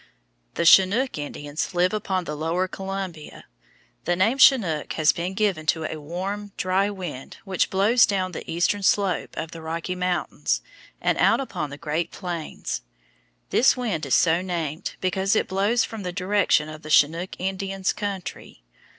The Chinook Indians live upon the lower Columbia. The name "chinook" has been given to a warm, dry wind which blows down the eastern slope of the Rocky Mountains and out upon the Great Plains. This wind is so named because it blows from the direction of the Chinook Indians' country.